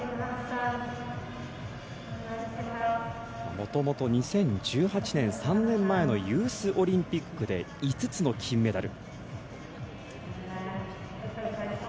もともと、２０１８年３年前のユースオリンピックで５つの金メダル。